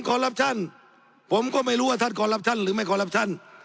รับชั่นผมก็ไม่รู้ว่าท่านคอลลับชั่นหรือไม่คอลลับชั่น